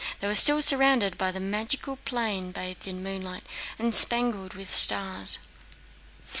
They were still surrounded by the magic plain bathed in moonlight and spangled with stars.